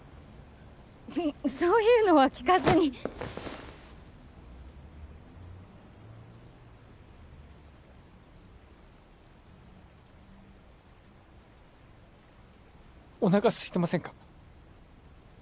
そういうのは聞かずにおなかすいてませんか？